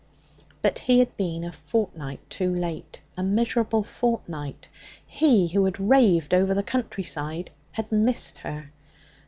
But he had been a fortnight too late. A miserable fortnight! He, who had raved over the countryside, had missed her.